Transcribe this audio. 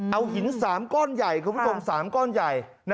เอาหิน๓ก้อนใหญ่คุณผู้ชม๓ก้อนใหญ่